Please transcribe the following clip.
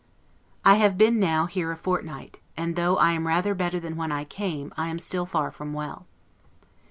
I have been now here a fortnight; and though I am rather better than when I came, I am still far from well.